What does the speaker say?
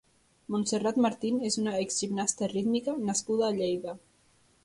Montserrat Martín és una exgimnasta rítmica nascuda a Lleida.